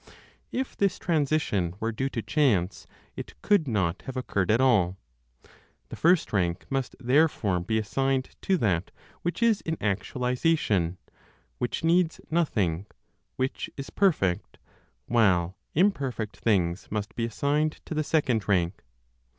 If this transition were due to chance, it could not have occurred at all. The first rank must therefore be assigned to that which is in actualization, which needs nothing, which is perfect, while imperfect things must be assigned to the second rank.